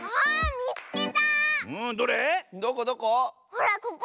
ほらここ。